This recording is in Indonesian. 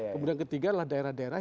kemudian ketiga adalah daerah daerah